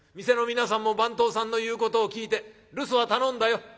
店の皆さんも番頭さんの言うことを聞いて留守は頼んだよ。